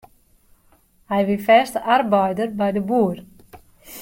Hy wie fêste arbeider by de boer.